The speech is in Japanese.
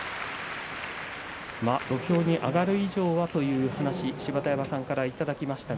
土俵に上がる以上はという話芝田山さんからいただきました。